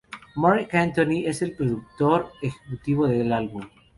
Marc Anthony es el productor ejecutivo del álbum.